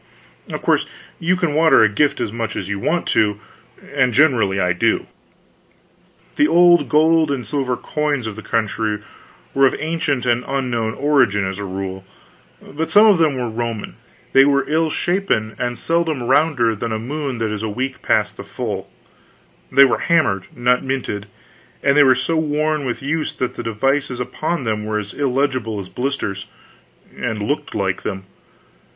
Of course, you can water a gift as much as you want to; and I generally do. The old gold and silver coins of the country were of ancient and unknown origin, as a rule, but some of them were Roman; they were ill shapen, and seldom rounder than a moon that is a week past the full; they were hammered, not minted, and they were so worn with use that the devices upon them were as illegible as blisters, and looked like them.